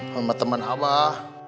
sama temen abah